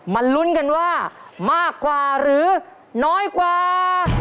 ลุ้นกันว่ามากกว่าหรือน้อยกว่า